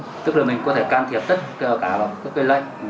tức là mình có thể can thiệp tất cả vào cái lệnh